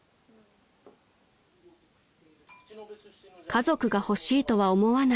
［家族が欲しいとは思わない］